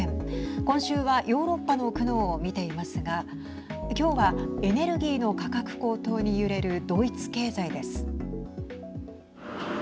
今週はヨーロッパの苦悩を見ていますが今日はエネルギーの価格高騰に揺れるドイツ経済です。